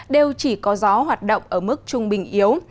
đều chỉ có gió hoạt động ở mức trung bình yếu